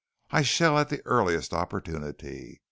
I shall at the earliest opportunity.